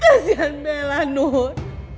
kasian bella nur